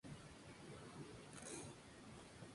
Es el tercer miembro del famoso grupo musical Three Lights.